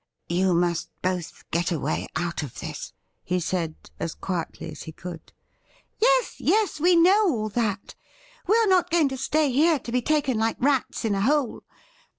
' You must both get away out of this,' he said, as quietly as he could. ' Yes, yes ; we know all that. We are not going to stay here to be taken like rats in a hole.